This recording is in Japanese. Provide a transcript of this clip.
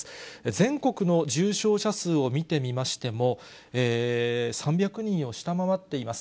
全国の重症者数を見てみましても、３００人を下回っています。